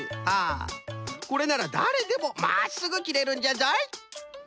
これならだれでもまっすぐ切れるんじゃぞい。